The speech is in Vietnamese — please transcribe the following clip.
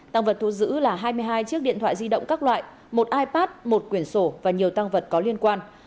tăng vật thu giữ là hai mươi hai chiếc điện thoại di động các loại một ipad một quyển sổ và nhiều tăng vật có liên quan